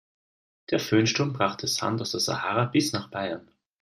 Der Föhnsturm brachte Sand aus der Sahara bis nach Bayern.